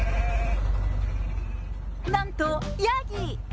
なんと、ヤギ。